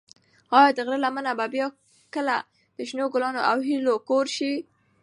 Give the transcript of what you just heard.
ایا د غره لمنه به بیا کله د شنو ګلانو او هیلو کور شي؟